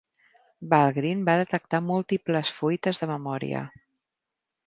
Valgrind va detectar múltiples fuites de memòria.